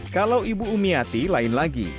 kalau ibu umiati lain lagi